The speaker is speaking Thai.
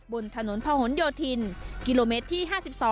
บนถนนพะหนโยธินกิโลเมตรที่๕๒